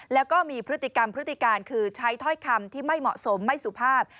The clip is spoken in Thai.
แล้วก็มีพฤติกรรมพฤติการคือใช้ถ้อยคำที่ไม่เหมาะสมไม่สุภาพ